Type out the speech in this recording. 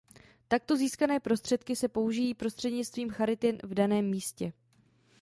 Takto získané prostředky se použijí prostřednictvím Charity v daném místě.